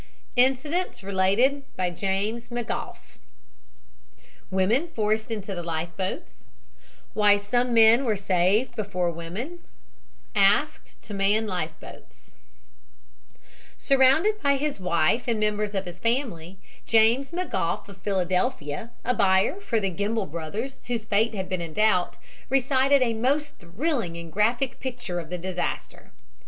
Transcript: INCIDENTS RELATED BY JAMES McGOUGH WOMEN FORCED INTO THE LIFE BOATS WHY SOME MEN WERE SAVED BEFORE WOMEN ASKED TO MAN LIFE BOATS SURROUNDED by his wife and members of his family, James McGough, of Philadelphia, a buyer for the Gimbel Brothers, whose fate had been in doubt, recited a most thrilling and graphic picture of the disaster.